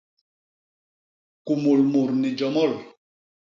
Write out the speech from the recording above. Kumul mut ni jomol.